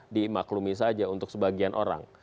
dimaklumi saja untuk sebagian orang